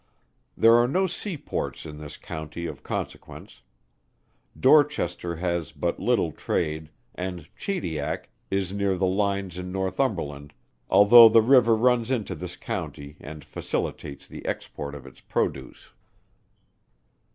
There are no sea ports in this county of consequence. Dorchester has but little trade, and Chediac, is near the lines in Northumberland, although the river runs into this county and facilitates the export of its produce.